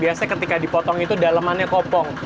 biasanya ketika dipotong itu dalemannya kopong